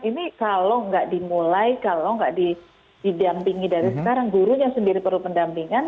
ini kalau nggak dimulai kalau nggak didampingi dari sekarang gurunya sendiri perlu pendampingan